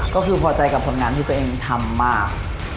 ก็คือพอใจกับผลงานที่ตัวเองทำมาก